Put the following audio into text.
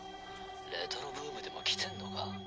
レトロブームでも来てんのか。